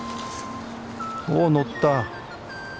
おおっ乗った！